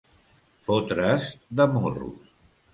Fotre's de morros.